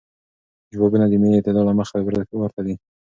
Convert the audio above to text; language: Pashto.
جوابونه د ملی اعتدال له مخې ورته دی.